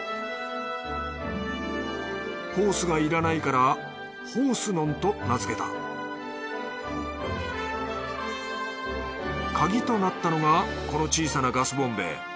ホースがいらないからホースノンと名付けたカギとなったのがこの小さなガスボンベ。